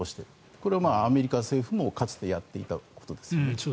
これはかつてアメリカ政府もやっていたことですね。